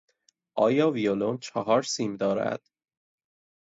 آیا ویولن چهار سیم دارد؟